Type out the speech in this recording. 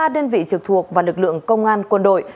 hai mươi ba đơn vị trực thuộc và lực lượng công an quân đội